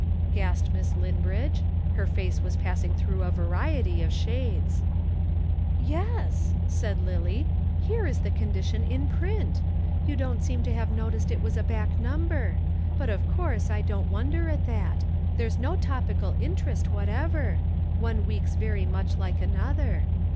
gasped Miss Linbridge. Her face was passing through a variety of shades. "Yes," said Lillie. "Here is the condition in print. You don't seem to have noticed it was a back number. But of course I don't wonder at that there's no topical interest whatever, one week's very much like another.